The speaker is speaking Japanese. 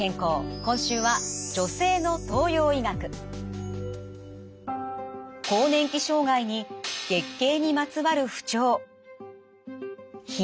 今週は更年期障害に月経にまつわる不調。